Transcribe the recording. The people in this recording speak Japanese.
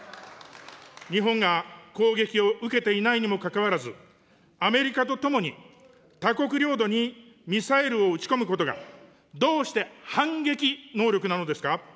日本が攻撃を受けていないにもかかわらず、アメリカとともに他国領土にミサイルを撃ち込むことが、どうして反撃能力なのですか。